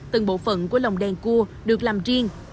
từng bộ phận của lồng đèn cua được làm riêng